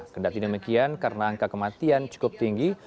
kendati demikian karena angka kematian cukup tinggi